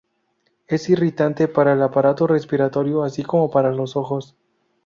Es irritante para el aparato respiratorio así como para los ojos.